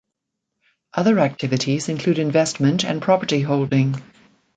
Other activities include investment and property holding.